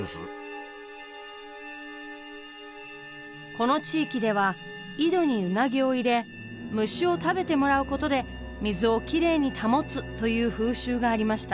この地域では井戸にウナギを入れ虫を食べてもらうことで水をきれいに保つという風習がありました。